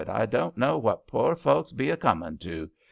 I doan't know what poor folks be a comin' to.